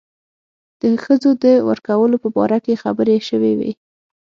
د ښځو د ورکولو په باره کې خبرې شوې وې.